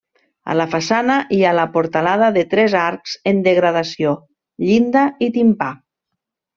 A la façana hi ha la portalada de tres arcs en degradació, llinda i timpà.